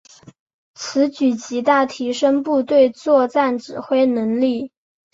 此举极大提升部队作战指挥能力。